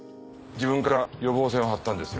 自分から予防線を張ったんですよ。